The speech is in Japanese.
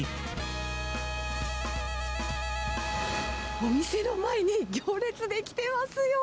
お店の前に、行列出来てますよ。